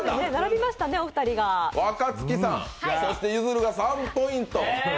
若槻さん、ゆずるが３ポイント。